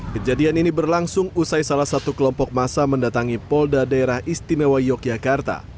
kejadian ini berlangsung usai salah satu kelompok masa mendatangi polda daerah istimewa yogyakarta